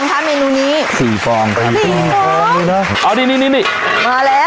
ใส่สี่ฟองค่ะเมนูนี้สี่ฟองสี่ฟองเอาดินี่นี่นี่มาแล้ว